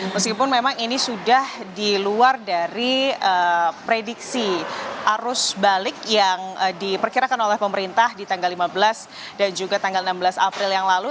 meskipun memang ini sudah di luar dari prediksi arus balik yang diperkirakan oleh pemerintah di tanggal lima belas dan juga tanggal enam belas april yang lalu